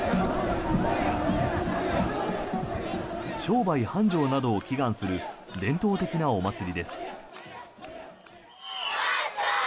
商売繁盛などを祈願する伝統的なお祭りです。